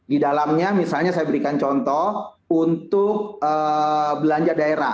di dalamnya misalnya saya berikan contoh untuk belanja daerah